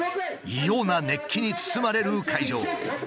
異様な熱気に包まれる会場。